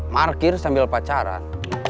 markir sambil pacaran